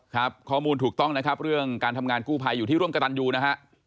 ครับข้อมูลถูกต้องนะครับเรื่องการทำงานกู้ภัยอยู่ที่ร่วมกระตันยูนะฮะ